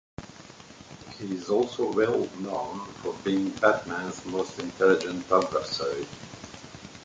He is also well known for being Batman's most intelligent adversary.